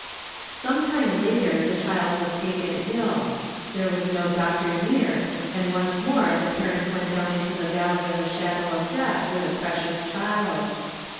Some time later the child was taken ill. There was no doctor near and once more the parents went down into the Valley of the shadow of death with a precious child.